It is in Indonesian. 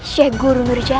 seh guru nurjati